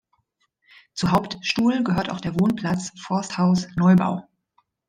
Zu Hauptstuhl gehört auch der Wohnplatz „Forsthaus Neubau“.